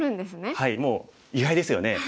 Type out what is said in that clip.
はいもう意外ですよね。